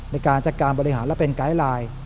ในการจัดการบริหารและเป็นไกด์ไลน์